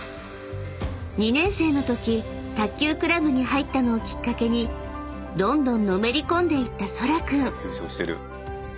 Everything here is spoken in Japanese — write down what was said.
［２年生のとき卓球クラブに入ったのをきっかけにどんどんのめり込んでいったそら君］